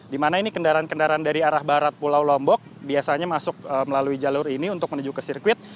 di mana ini kendaraan kendaraan dari arah barat pulau lombok biasanya masuk melalui jalur ini untuk menuju ke sirkuit